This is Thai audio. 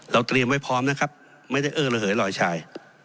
เตรียมไว้พร้อมนะครับไม่ได้เอ้อระเหยลอยชาย